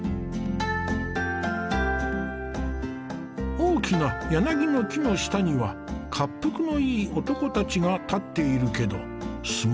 大きな柳の木の下には恰幅のいい男たちが立っているけど相撲取りなんだ。